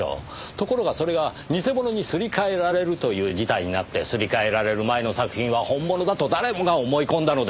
ところがそれが偽物にすり替えられるという事態になってすり替えられる前の作品は本物だと誰もが思い込んだのです。